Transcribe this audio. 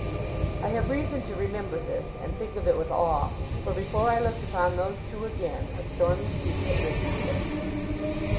I have reason to remember this, and think of it with awe; for before I looked upon those two again, a stormy sea had risen to their feet.